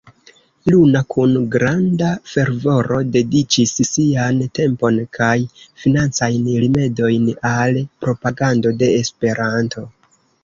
Luna kun granda fervoro dediĉis sian tempon kaj financajn rimedojn al propagando de Esperanto.